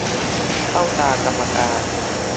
เข้าตากรรมการ